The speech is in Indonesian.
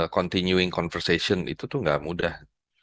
continuing conversation itu tuh gak mudah